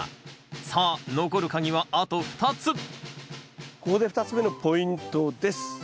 さあ残る鍵はあと２つここで２つ目のポイントです。